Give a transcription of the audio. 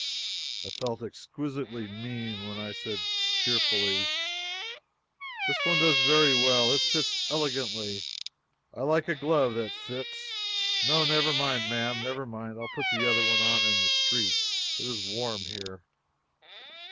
I felt exquisitely mean when I said cheerfully: "This one does very well; it fits elegantly. I like a glove that fits. No, never mind, ma'am, never mind; I'll put the other on in the street. It is warm here."